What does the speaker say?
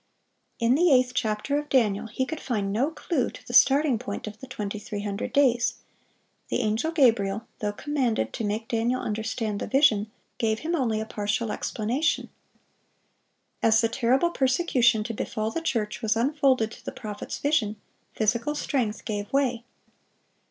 In the eighth chapter of Daniel he could find no clue to the starting point of the 2300 days; the angel Gabriel, though commanded to make Daniel understand the vision, gave him only a partial explanation. As the terrible persecution to befall the church was unfolded to the prophet's vision, physical strength gave way.